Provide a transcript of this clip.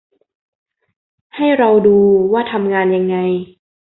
ให้เราดูว่าทำงานยังไง